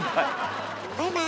バイバイ。